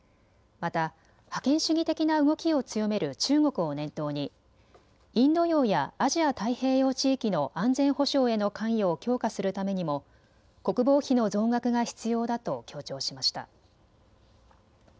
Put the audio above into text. また覇権主義的な動きを強める中国を念頭にインド洋やアジア太平洋地域の安全保障への関与を強化するためにも国防費の増額が必要だと強調しました。